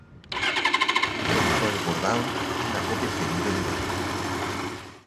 y tu campo de flores bordado, es la copia feliz del Edén.